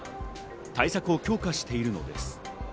対策を強化しているのです。